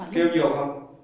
kêu nhiều không